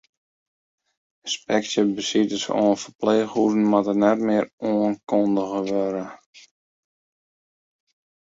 Ynspeksjebesites oan ferpleechhûzen moatte net mear oankundige wurde.